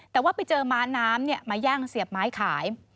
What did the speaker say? แต่ว่าไปเจอม้าน้ำมาย่างเสียบไม้ขาย